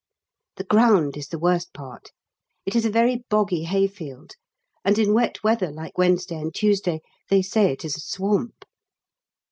The ground is the worst part. It is a very boggy hay field, and in wet weather like Wednesday and Tuesday they say it is a swamp.